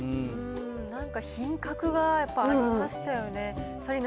なんか品格がやっぱりありましたよね。